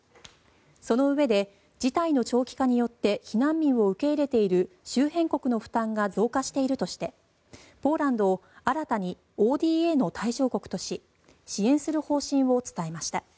そのうえで事態の長期化によって避難民を受け入れている周辺国の負担が増加しているとしてポーランドを新たにＯＤＡの対象国とし支援する方針を伝えました。